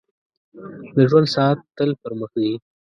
• د ژوند ساعت تل پر مخ ځي.